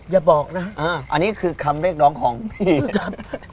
อย่าบอกนะอันนี้คือคำเรียกร้องของพี่นะครับ